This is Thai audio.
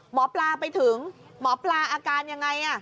หมอปลาไปถึงหมอปลาอาการยังไง